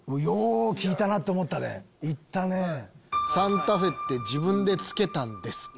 『サンタフェ』って自分で付けたんですか？